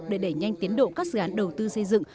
để đẩy nhanh tiến độ các dự án đầu tư xây dựng